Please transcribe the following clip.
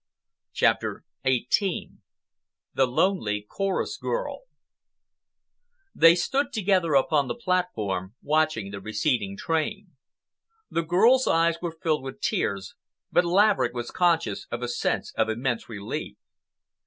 CHAPTER XVIII THE LONELY CHORUS GIRL They stood together upon the platform watching the receding train. The girl's eyes were filled with tears, but Laverick was conscious of a sense of immense relief.